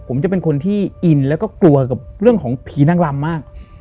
ผมจะเป็นคนที่อินแล้วก็กลัวกับเรื่องของผีนางรำมาก